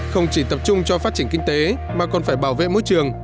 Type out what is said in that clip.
không chỉ tập trung cho phát triển kinh tế mà còn phải bảo vệ môi trường